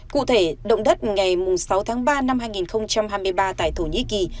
cụ thể động đất ngày sáu tháng ba năm hai nghìn hai mươi ba tại thổ nhĩ kỳ